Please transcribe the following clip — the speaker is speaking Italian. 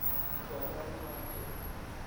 Cratere Pasteur